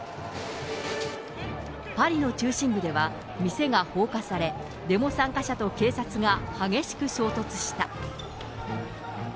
パリの中心部では、店が放火され、デモ参加者と警察が激しく衝突した。